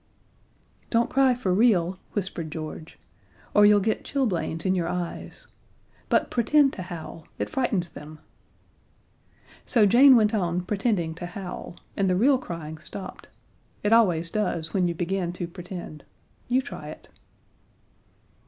"Don't cry for real," whispered George, "or you'll get chilblains in your eyes. But pretend to howl it frightens them." So Jane went on pretending to howl, and the real crying stopped: It always does when you begin to pretend. You try it.